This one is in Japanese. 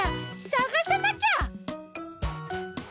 さがさなきゃ！